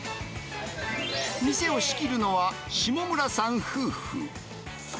店を仕切るのは、下村さん夫婦。